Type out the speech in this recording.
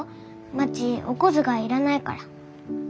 まちお小遣いいらないから。